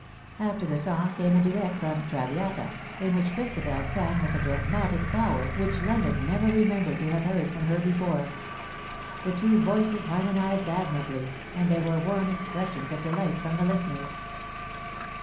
'' After the song came a duet from " Traviata," in which Christabel sang with a dramatic power which 122 Leonard never remembered to have heard from her before. The two voices harmonized admirably^ and there were warm expressions of delight from the listeners.